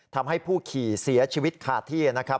ทำให้ผู้ขี่เสียชีวิตขาดที่นะครับ